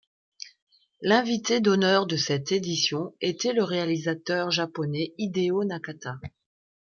L'invité d'honneur de cette édition était le réalisateur japonais Hideo Nakata.